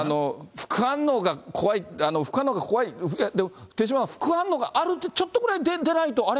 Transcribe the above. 副反応が怖い、副反応が怖いでも、手嶋さん、副反応があるってちょっとぐらい出ないと、あれ？